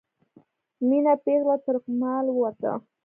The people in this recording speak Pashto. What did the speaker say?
میینه پیغله ترکمال ووته